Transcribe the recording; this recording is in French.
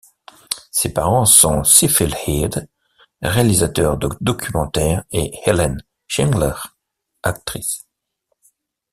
Ses parents sont Seafield Head, réalisateur de documentaires, et Helen Shingler, actrice.